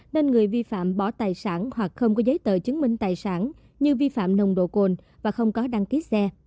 nên người vi phạm bỏ tài sản hoặc không có giấy tờ chứng minh tài sản như vi phạm nồng độ cồn và không có đăng ký xe